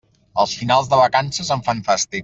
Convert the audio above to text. Els finals de vacances em fan fàstic.